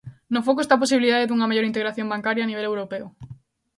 No foco está a posibilidade dunha maior integración bancaria a nivel europeo.